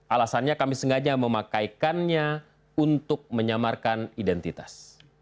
alasannya kami sengaja memakaikannya untuk menyamarkan identitas